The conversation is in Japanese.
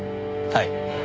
はい。